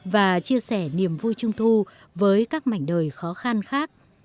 và chia sẻ niềm vui trung thu với các mảnh đời khó khăn khác